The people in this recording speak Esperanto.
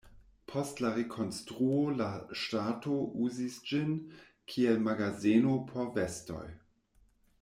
Post la rekonstruo la ŝtato uzis ĝin, kiel magazeno por vestoj.